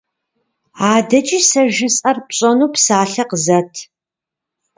АдэкӀи сэ жысӀэр пщӀэну псалъэ къызэт.